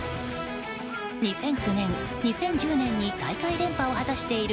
２００９年、２０１０年に大会連覇を果たしている